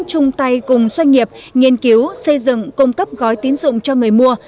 chung tay cùng doanh nghiệp nghiên cứu xây dựng cung cấp gói tín dụng cho người mua